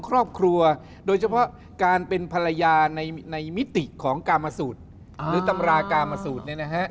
ครอบครัวโดยเฉพาะการเป็นภรรยาในในมิติของกามาสูตรหรือตำรากามาสูตร